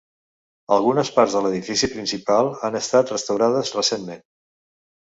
Algunes parts de l'edifici principal han estat restaurades recentment.